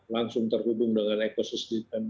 langsung terhubung dengan ekosistem